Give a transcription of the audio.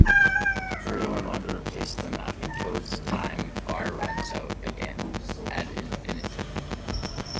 Birdo and Wanda replace them after Toad's time bar runs out again, ad infinitum.